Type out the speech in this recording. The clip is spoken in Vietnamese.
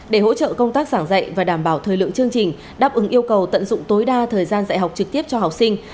để hỗ trợ công tác giảng dạy và đảm bảo thời lượng chương trình đáp ứng yêu cầu tận dụng tối đa thời gian dạy học trực tiếp cho học sinh